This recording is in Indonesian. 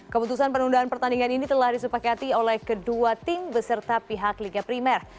keputusan penundaan pertandingan ini telah disepakati oleh kedua tim beserta pihak liga primer